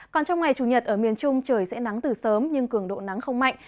còn trong ngày chủ nhật ở miền trung trời sẽ nắng từ sớm nhưng cường độ nắng không mạnh